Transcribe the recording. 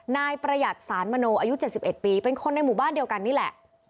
นายประหยัดสารมโนอายุ๗๑ปีเป็นคนในหมู่บ้านเดียวกันนี่แหละ